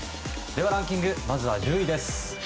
では、ランキングまずは１０位です。